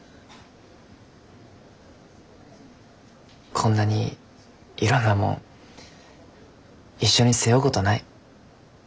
こんなにいろんなもん一緒に背負うごどない。